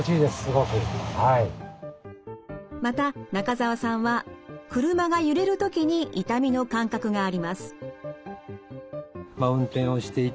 また中澤さんは車がゆれるときに痛みの感覚があります。